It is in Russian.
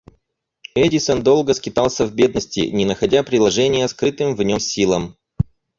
Эдисон долго скитался в бедности, не находя приложения скрытым в нем силам.